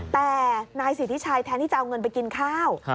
แต่นายสิทธิชัยแทนที่จะเอาเงินไปกินข้าว